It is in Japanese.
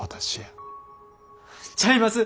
ちゃいます！